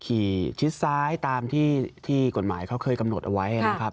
ชิดซ้ายตามที่กฎหมายเขาเคยกำหนดเอาไว้นะครับ